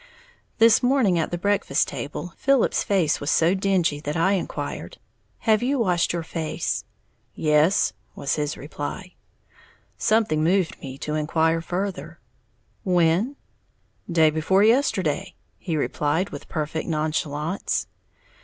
This morning at the breakfast table, Philip's face was so dingy that I inquired, "Have you washed your face?" "Yes," was his reply. Something moved me to inquire further, "When?" "Day before yesterday," he replied, with perfect nonchalance.